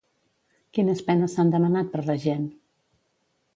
Quines penes s'han demanat per l'agent?